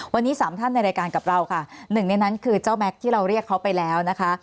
วันนี้สามท่านในรายการกับเราค่ะหนึ่งในนั้นคือเจ้าแม็กซ์ที่เราเรียกเขาไปแล้วนะคะ